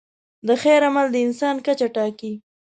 د خیر عمل د انسان کچه ټاکي.